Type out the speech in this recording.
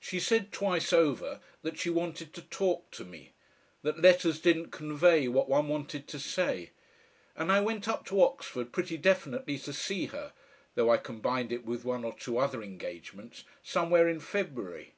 She said twice over that she wanted to talk to me, that letters didn't convey what one wanted to say, and I went up to Oxford pretty definitely to see her though I combined it with one or two other engagements somewhere in February.